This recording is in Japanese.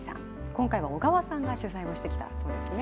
今回は小川さんが取材をしてきたそうですね。